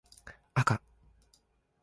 あか